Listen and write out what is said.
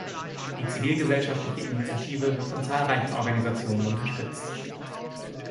Die zivilgesellschaftliche Initiative wird von zahlreichen Organisationen unterstützt.